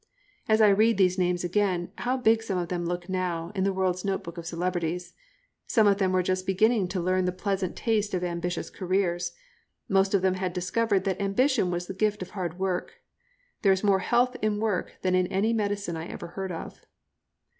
As I read these names again, how big some of them look now, in the world's note book of celebrities. Some of them were just beginning to learn the pleasant taste of ambitious careers. Most of them had discovered that ambition was the gift of hard work. There is more health in work than in any medicine I ever heard of.